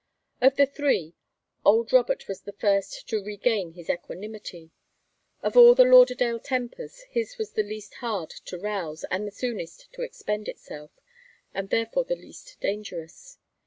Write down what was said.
Of the three, old Robert was the first to regain his equanimity. Of all the Lauderdale tempers, his was the least hard to rouse and the soonest to expend itself, and therefore the least dangerous.